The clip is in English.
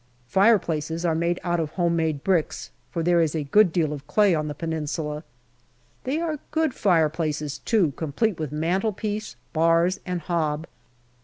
Fire places are made out of home made bricks for there is a good deal of clay on the Peninsula. They are good fire places too, complete with mantelpiece, bars, and hob.